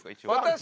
私？